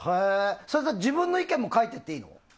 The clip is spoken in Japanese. そうすると自分の意見も書いていっていいの？